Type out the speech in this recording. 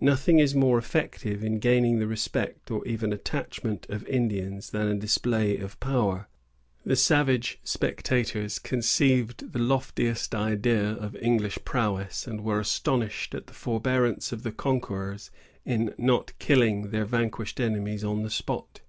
Nothing is more effective in gaining the respect, or even attachment, of Indians than a display of power. The savage spectators conceived the loftiest idea of English prowess, and were astonished at the forbearance of the conquerors in not killing their vanquished enemies on the spot.